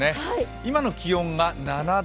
今の気温が７度。